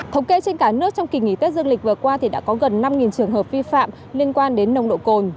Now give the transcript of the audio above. thống kê trên cả nước trong kỳ nghỉ tết dương lịch vừa qua thì đã có gần năm trường hợp vi phạm liên quan đến nồng độ cồn